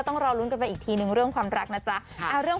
ยืนก็ได้เราก็ดักทาง